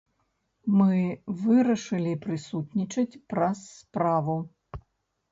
Мы вырашылі прысутнічаць праз справу.